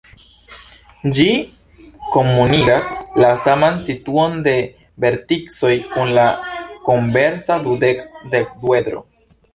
Ĝi komunigas la saman situon de verticoj kun la konveksa dudek-dekduedro.